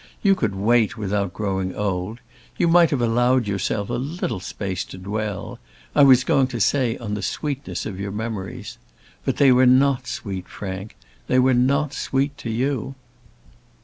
You could wait without growing old. You might have allowed yourself a little space to dwell I was going to say on the sweetness of your memories. But they were not sweet, Frank; they were not sweet to you."